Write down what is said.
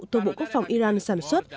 thuộc bộ quốc phòng iran sản xuất